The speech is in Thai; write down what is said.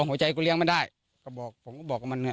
หัวใจก็เลี้ยงไม่ได้ก็บอกผมก็บอกว่ามันเนี่ย